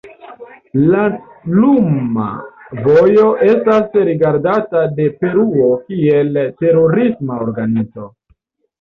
La Luma Vojo estas rigardata de Peruo kiel terorisma organizo.